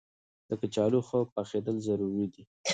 د کچالو ښه پخېدل ضروري دي.